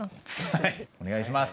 はいお願いします。